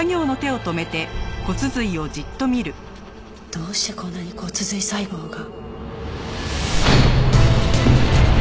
どうしてこんなに骨髄細胞が？